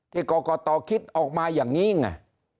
ก่อก่อต่อคิดออกมาอย่างนี้ไง